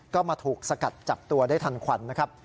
ก็มาถูกสกัดจับตัวได้ทันควันนะครับ